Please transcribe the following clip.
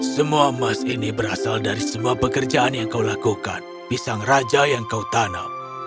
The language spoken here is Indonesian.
semua emas ini berasal dari semua pekerjaan yang kau lakukan pisang raja yang kau tanam